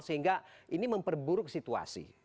sehingga ini memperburuk situasi